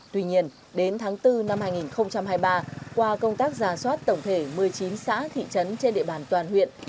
tuy nhiên đến tháng bốn năm hai nghìn hai mươi ba qua công tác giả soát tổng thể một mươi chín xã thị trấn trên địa bàn toàn huyện